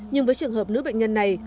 nhưng với trường hợp nữ bệnh nhân này